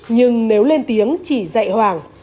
nhưng nếu lên tiếng chỉ dạy hoàng